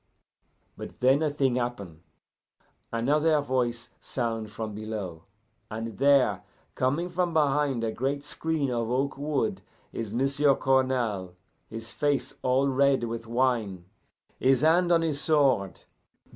But then a thing happen. Another voice sound from below, and there, coming from behind a great screen of oak wood, is M'sieu' Cournal, his face all red with wine, his hand on his sword.